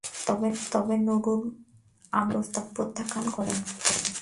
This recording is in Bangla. তবে নুরুল আমিন এ প্রস্তাব প্রত্যাখ্যান করেন।